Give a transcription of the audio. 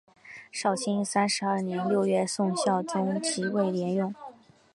绍兴三十二年六月宋孝宗即位沿用。